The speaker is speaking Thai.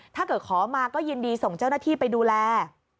ถ้าเกิดขอมาก็ยินดีส่งเจ้าหน้าที่ไปดูแล